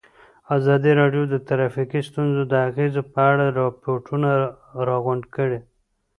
ازادي راډیو د ټرافیکي ستونزې د اغېزو په اړه ریپوټونه راغونډ کړي.